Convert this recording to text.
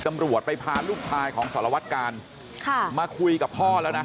ตำรวจไปพาลูกชายของสารวัตกาลค่ะมาคุยกับพ่อแล้วนะ